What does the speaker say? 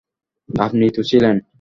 আপনি তো ছিলেন।